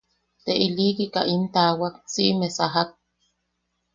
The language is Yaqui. Te ilikika im taawak, Siʼime sajak.